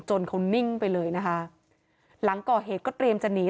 เขานิ่งไปเลยนะคะหลังก่อเหตุก็เตรียมจะหนี